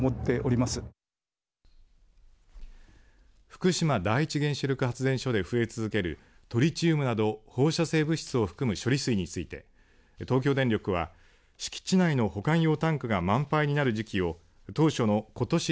福島第一原子力発電所で増え続けるトリチウムなど放射性物質を含む処理水について東京電力は敷地内の保管用タンクが満杯になる時期を当初のことし